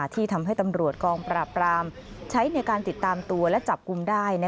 ที่ทำให้ตำรวจกองปราบรามใช้ในการติดตามตัวและจับกลุ่มได้